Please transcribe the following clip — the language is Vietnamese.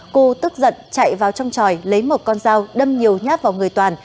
cư tức giận chạy vào trong tròi lấy một con dao đâm nhiều nhát vào người toàn